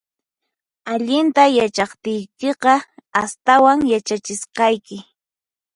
Allinta yachaqtiykiqa, astawan yachachisqayki